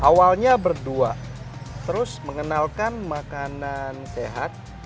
awalnya berdua terus mengenalkan makanan sehat